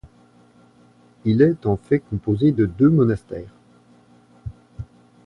Il est en fait composé de deux monastères.